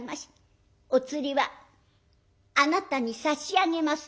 お釣りはあなたに差し上げます」。